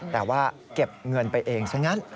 แต่ว่าเก็บเงินไปเองซะงั้น